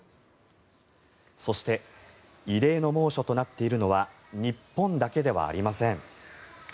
そして異例の猛暑となっているのは日本だけではありません。